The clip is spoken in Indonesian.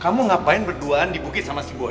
kamu ngapain berduaan di bukit sama si buah